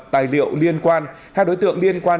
tài liệu liên quan hai đối tượng liên quan